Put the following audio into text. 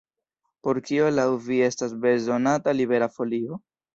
Por kio laŭ vi estas bezonata Libera Folio?